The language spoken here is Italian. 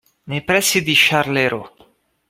Nei pressi di Charleroi.